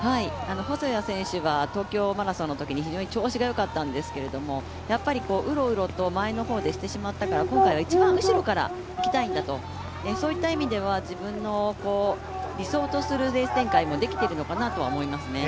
細谷選手は東京マラソンのときに非常に調子がよかったんですけれども、うろうろと前の方でしてしまったから今回は一番後ろから行きたいんだと、そういった意味では自分の理想とするレース展開もできているのかなと思いますね。